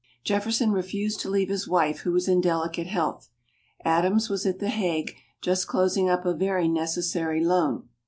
Jefferson refused to leave his wife, who was in delicate health. Adams was at The Hague, just closing up a very necessary loan.